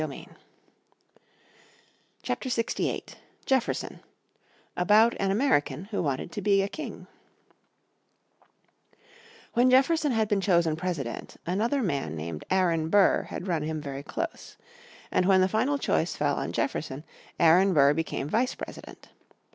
__________ Chapter 68 Jefferson About An American Who Wanted to be a King When Jefferson had been chosen President, another man named Aron Burr had run him very close. And, when the final choice fell on Jefferson, Aron Burr became Vice President.